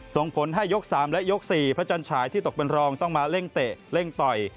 ส่งผลให้ยก๓และยก๔พระจันฉายที่ตกเป็นรองต้องมาเร่งเตะเร่งต่อย